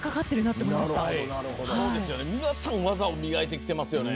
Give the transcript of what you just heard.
皆さんうまさを磨いてきてますよね。